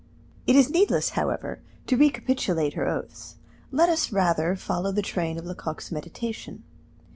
It is needless, however, to recapitulate her oaths; let us rather follow the train of Lecoq's meditation.